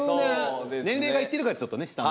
年齢がいってるからちょっとね下に。